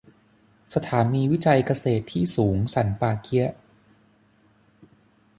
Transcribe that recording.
สถานีวิจัยเกษตรที่สูงสันป่าเกี๊ยะ